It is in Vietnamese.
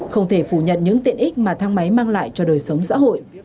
không thể phủ nhận những tiện ích mà thang máy mang lại cho đời sống xã hội